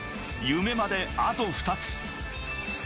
夢まであと２つ。